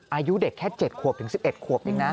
อายุเด็กแค่๗ขวบถึง๑๑ขวบเองนะ